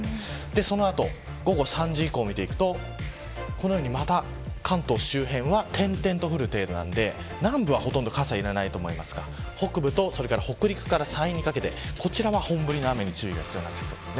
その後、午後３時以降を見ていくとこのようにまた関東周辺は点々と降る程度なので南部はほとんど傘いらないと思いますが、北部と北陸から山陰にかけてこちらは本降りの雨に注意が必要です。